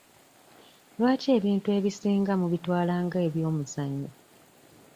Lwaki ebintu ebisinga mubitwala nga eby'omuzannyo?